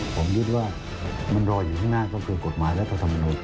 ผมคิดว่ามันรออยู่ข้างหน้าก็คือกฎหมายรัฐธรรมนูล